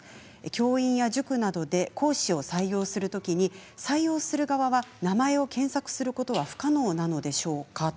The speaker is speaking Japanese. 教員や塾などで講師を採用するときに、採用する側は名前を検索することは不可能なのでしょうか。